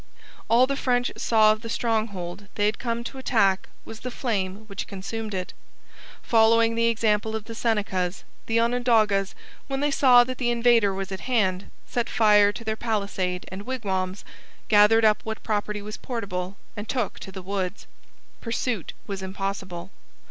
All the French saw of the stronghold they had come to attack was the flame which consumed it. Following the example of the Senecas, the Onondagas, when they saw that the invader was at hand, set fire to their palisade and wigwams, gathered up what property was portable, and took to the woods. Pursuit was impossible.